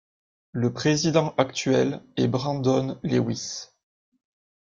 Le président actuel est Brandon Lewis.